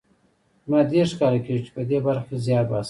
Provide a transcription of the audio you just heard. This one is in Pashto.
زما دېرش کاله کېږي چې په دې برخه کې زیار باسم